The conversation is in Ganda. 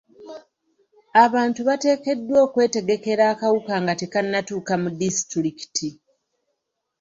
Abantu bateekeddwa okwetegekera akawuka nga tekannatuuka mu disitulikiti.